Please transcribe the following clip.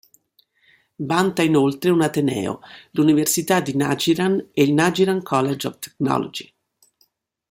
Vanta inoltre un ateneo: l'Università di Najran e il Najran College of Technology.